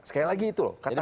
sekali lagi itu loh